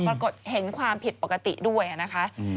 ปรากฏเห็นความผิดปกติด้วยนะคะ